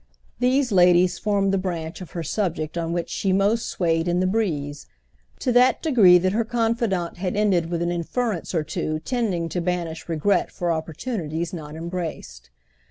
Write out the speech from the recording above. These ladies formed the branch of her subject on which she most swayed in the breeze; to that degree that her confidant had ended with an inference or two tending to banish regret for opportunities not embraced.